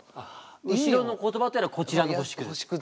後ろの言葉っていうのはこちらの「星屑」。